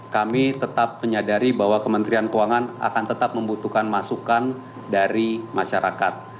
kami tetap menyadari bahwa kementerian keuangan akan tetap membutuhkan masukan dari masyarakat